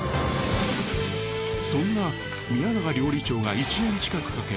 そんな宮永料理長が１年近くかけ